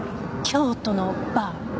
京都のバー？